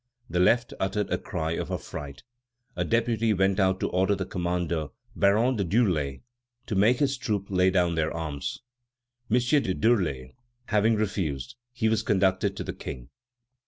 The left uttered a cry of affright. A deputy went out to order the commander, Baron de Durler, to make his troop lay down their arms. M. de Durler, having refused, he was conducted to the King.